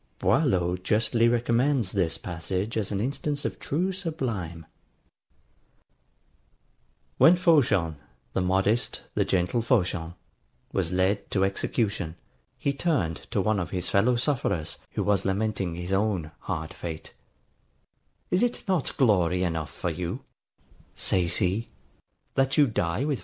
Boileau justly recommends this passage as an instance of true sublime [Footnote: Reflexion 10 sur Longin.]. When Phocion, the modest, the gentle Phocion, was led to execution, he turned to one of his fellow sufferers, who was lamenting his own hard fate, IS IT NOT GLORY ENOUGH FOR YOU, says he, THAT YOU DIE WITH PHOCION?